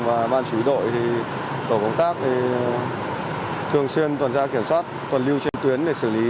và ban chú đội thì tổ công tác thì thường xuyên tuần tra kiểm soát còn lưu trên tuyến để xử lý